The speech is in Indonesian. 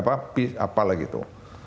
peace apalah gitu